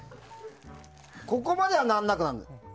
ここまでは難なくなの。